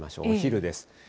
お昼です。